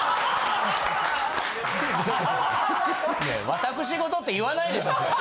私事って言わないでしょそれ。